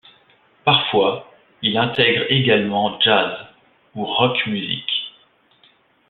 Parfois, il intègre également jazz - ou Rock musique.